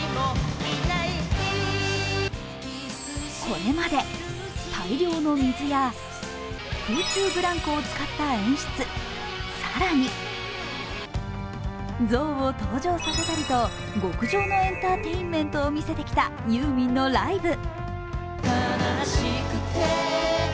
これまで大量の水や空中ブランコを使った演出、更に、象を登場させたりと極上のエンターテインメントを見せてきたユーミンのライブ。